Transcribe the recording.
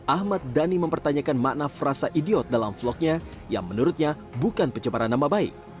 ahmad dhani mempertanyakan makna frasa idiot dalam vlognya yang menurutnya bukan pencemaran nama baik